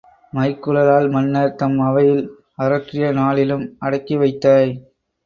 மைக்குழலாள் மன்னர் தம் அவையில் அரற்றிய நாளிலும் அடக்கி வைத்தாய்.